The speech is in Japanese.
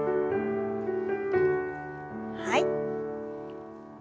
はい。